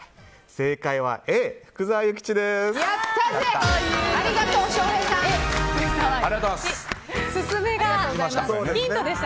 正解はＡ、福沢諭吉です。